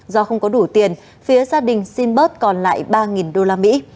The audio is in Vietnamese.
do không có đủ tiền phía gia đình xin bớt còn lại ba usd